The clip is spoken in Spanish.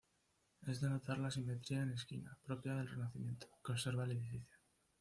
Es de notar la simetría en esquina, propia del Renacimiento, que observa el edificio.